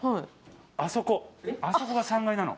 あそこが３階なの。